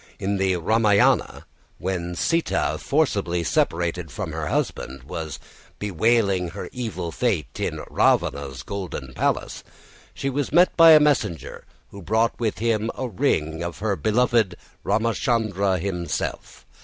In the Rāmāyana, when Sītā, forcibly separated from her husband, was bewailing her evil fate in Ravana's golden palace, she was met by a messenger who brought with him a ring of her beloved Rāmachandra himself.